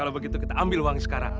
kalau begitu kita ambil uangnya sekarang